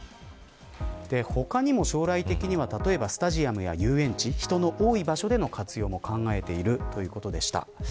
他にも将来的には例えばスタジアムや遊園地人の多い場所での活用も考えているということでした。